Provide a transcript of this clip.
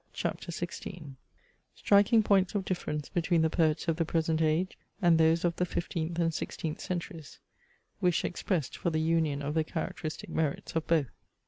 CHAPTER XVI Striking points of difference between the Poets of the present age and those of the fifteenth and sixteenth centuries Wish expressed for the union of the characteristic merits of both.